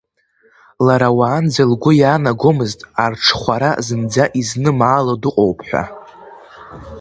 Лара уаанӡа лгәы иаанагомызт, арҽхәара зынӡа изнымаало дыҟоуп ҳәа.